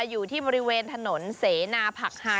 อยู่ที่บริเวณถนนแสนา